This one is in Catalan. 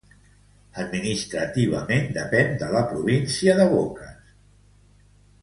Administrativament, depén de la Província de Bocas del Toro.